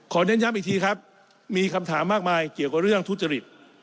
เน้นย้ำอีกทีครับมีคำถามมากมายเกี่ยวกับเรื่องทุจริต